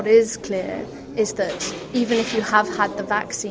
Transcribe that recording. meskipun anda sudah mengalami vaksin